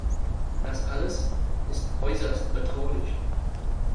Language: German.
Das alles ist äußerst bedrohlich.